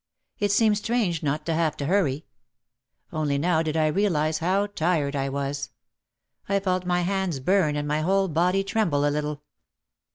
It seemed strange not to have to hurry. Only now did I realise how tired I was. I felt my hands burn and my whole body tremble a little.